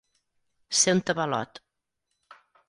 Ser un tabalot.